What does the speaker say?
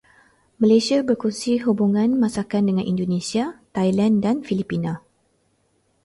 Malaysia berkongsi hubungan masakan dengan Indonesia, Thailand dan Filipina.